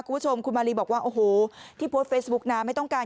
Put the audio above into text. คุณผู้ชมคุณมารีบอกว่าโอ้โหที่โพสต์เฟซบุ๊กนะไม่ต้องการ